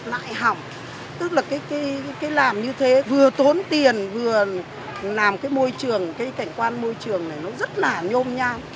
lại hỏng tức là cái làm như thế vừa tốn tiền vừa làm cái môi trường cái cảnh quan môi trường này nó rất là nhôm nhan